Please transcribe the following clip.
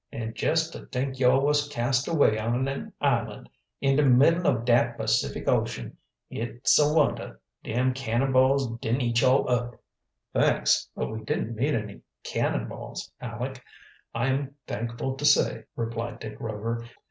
An' jess to t'ink yo' was cast away on an island in de middle of dat Pacific Ocean! It's a wonder dem cannonballs didn't eat yo' up." "Thanks, but we didn't meet any 'cannonballs,' Aleck, I am thankful to say," replied Dick Rover.